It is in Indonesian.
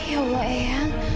ya allah eyang